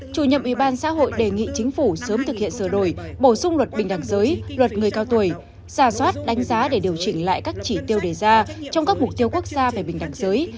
chủ nhiệm ủy ban xã hội đề nghị chính phủ sớm thực hiện sửa đổi bổ sung luật bình đẳng giới luật người cao tuổi giả soát đánh giá để điều chỉnh lại các chỉ tiêu đề ra trong các mục tiêu quốc gia về bình đẳng giới